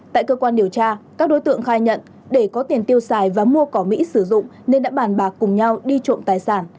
tại cơ quan điều tra các đối tượng khai nhận để có tiền tiêu xài và mua cỏ mỹ sử dụng nên đã bàn bạc cùng nhau đi trộm tài sản